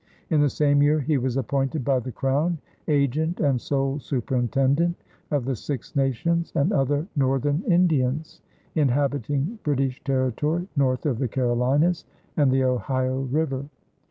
In the same year he was appointed by the Crown "Agent and Sole Superintendent of the Six Nations and other northern Indians" inhabiting British territory north of the Carolinas and the Ohio River.